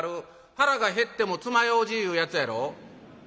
『腹が減ってもつま楊枝』いうやつやろ」。